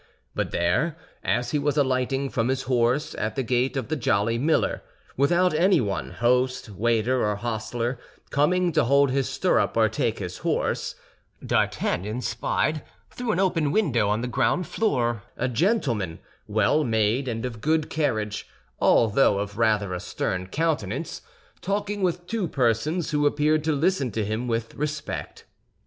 But there, as he was alighting from his horse at the gate of the Jolly Miller, without anyone—host, waiter, or hostler—coming to hold his stirrup or take his horse, D'Artagnan spied, though an open window on the ground floor, a gentleman, well made and of good carriage, although of rather a stern countenance, talking with two persons who appeared to listen to him with respect.